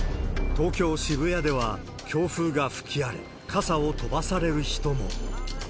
東京・渋谷では、強風が吹き荒れ、傘を飛ばされる人も。